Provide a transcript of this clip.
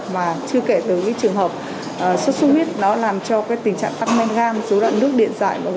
và chưa kể từ cái trường hợp suốt suốt huyết nó làm cho cái tình trạng tăng men gan dối loạn nước điện dại